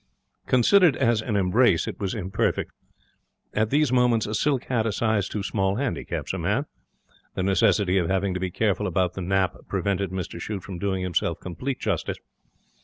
Considered as an embrace, it was imperfect. At these moments a silk hat a size too small handicaps a man. The necessity of having to be careful about the nap prevented Mr Shute from doing himself complete justice.